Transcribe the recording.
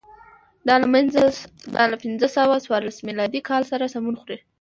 دا له پنځه سوه څوارلس میلادي کال سره سمون خوري.